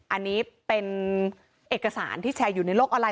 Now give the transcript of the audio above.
อันนี้เป็นเอกสารที่แชร์อยู่ในโลกออนไล